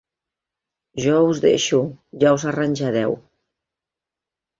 Jo us deixo: ja us arranjareu!